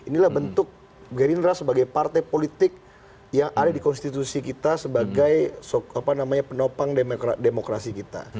inilah bentuk gerindra sebagai partai politik yang ada di konstitusi kita sebagai penopang demokrasi kita